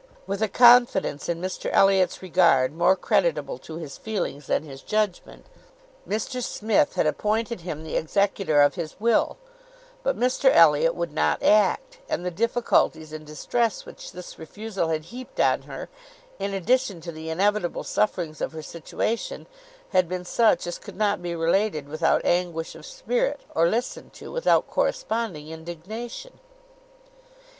With a confidence in Mr Elliot's regard, more creditable to his feelings than his judgement, Mr Smith had appointed him the executor of his will; but Mr Elliot would not act, and the difficulties and distress which this refusal had heaped on her, in addition to the inevitable sufferings of her situation, had been such as could not be related without anguish of spirit, or listened to without corresponding indignation.